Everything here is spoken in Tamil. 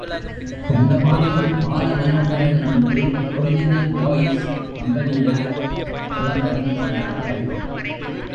தண்டபாணி பால மனோகரன் என்று ஒரிஜினல் பாய்ஸ் கம்பெனுயார் விளம்பரம் செய்தார்கள்.